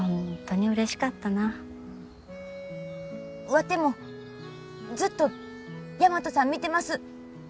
ワテもずっと大和さん見てます。